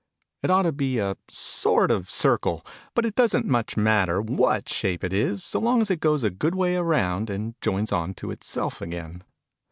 It ought to be a sort of circle, but it doesn't much matter what shape it is, so long as it goes a good way round, and joins on to itself again.